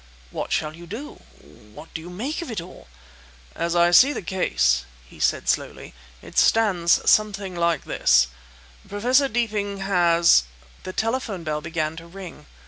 "What shall you do? What do you make of it all?" "As I see the case," he said slowly, "it stands something like this: Professor Deeping has..." The telephone bell began to ring.